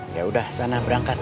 ya udah sana berangkat